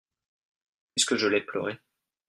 Puisque je l'ai pleuré !